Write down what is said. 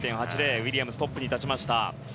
ウィリアムズトップに立ちました。